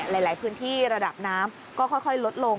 หลายพื้นที่ระดับน้ำก็ค่อยลดลง